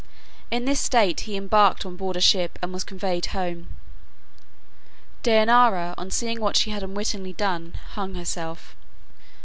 In this state he embarked on board a ship and was conveyed home. Dejanira, on seeing what she had unwittingly done, hung herself.